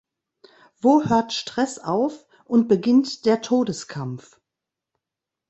Wo hört Stress auf und beginnt der Todeskampf?